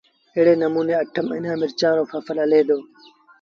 ايڙي نموٚني اٺ مهينآݩ مرچآݩ رو ڦسل هلي دو